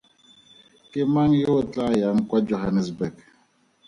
Ke mang yo o tlaa yang kwa Johannesburg?